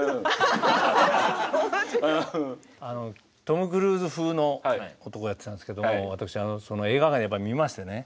トム・クルーズ風の男をやってたんですけど私映画館でやっぱり見ましてね。